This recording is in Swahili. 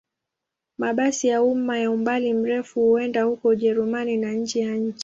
Mabasi ya umma ya umbali mrefu huenda huko Ujerumani na nje ya nchi.